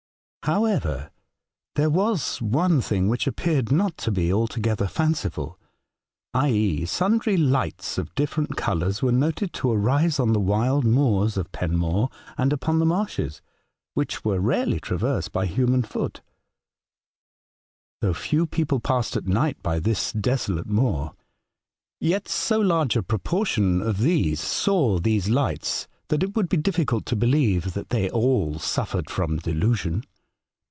However, there was one thing which appeared not to be altogether fanciful, i,e., sundry lights of different colours were noted to arise on the wild moors of Penmor and upon the marshes, which were rarely traversed by human foot. E 50 A Voyage to Other Worlds, Thougli few people passed at night by this desolate moor, yet so large a proportion of these saw these lights that it would be difiBcult to believe that they all suffered from delusion.